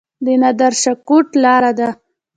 د نادر شاه کوټ لاره ده